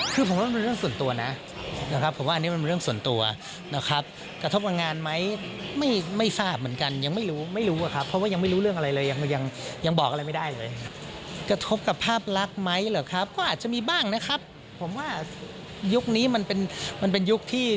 คือผมว่ามันเป็นเรื่องส่วนตัวนะนะครับผมว่าอันนี้มันเป็นเรื่องส่วนตัวนะครับกระทบกับงานไหมไม่ทราบเหมือนกันยังไม่รู้ไม่รู้อะครับเพราะว่ายังไม่รู้เรื่องอะไรเลยยังบอกอะไรไม่ได้เลย